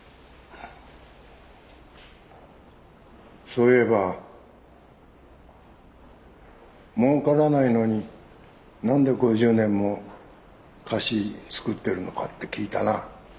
そういえば「もうからないのに何で５０年も菓子作ってるのか」って聞いたな。